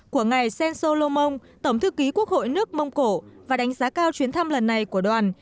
của ngài sensolomon tổng thư ký quốc hội nước mông cổ và đánh giá cao chuyến thăm lần này của đoàn